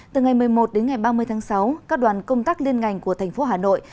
từ ngày một mươi một đến ngày ba mươi tháng sáu các đoàn công tác liên ngành của thành phố hà nội